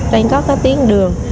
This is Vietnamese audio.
đang có các tiếng đường